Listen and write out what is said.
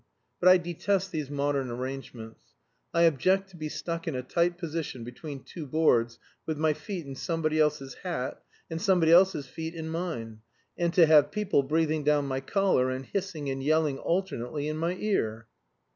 But I detest these modern arrangements; I object to be stuck in a tight position between two boards, with my feet in somebody else's hat, and somebody else's feet in mine, and to have people breathing down my collar and hissing and yelling alternately, in my ear."